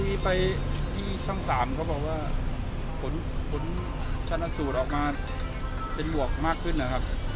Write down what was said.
มีไปที่ช่อง๓เขาบอกว่าผลชนสูตรออกมาเป็นบวกมากขึ้นนะครับ